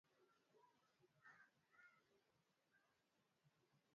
adhabu ya milele kadiri ya imani na matendo yao